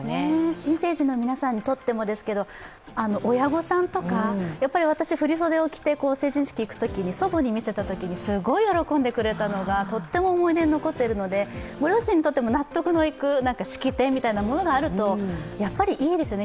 新成人の皆さんにとってもですけど、親御さんとか私、振り袖を着て成人式に行くときに、祖母に見せたときにすごい喜んでくれたのがとっても思い出に残っているのでご両親にとっても納得のいく式典みたいなものがあればいいですよね。